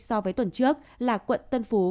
so với tuần trước là quận tân phú